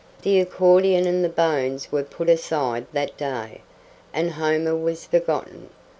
The accordion and the bones were put aside that day, and Homer was forgotten.